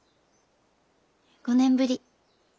５年ぶり。